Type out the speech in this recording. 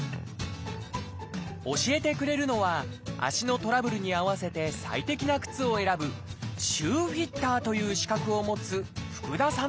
教えてくれるのは足のトラブルに合わせて最適な靴を選ぶ「シューフィッター」という資格を持つ福田さん！